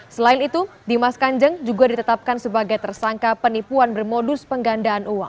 selain itu dimas kanjeng juga ditetapkan sebagai tersangka penipuan bermodus penggandaan uang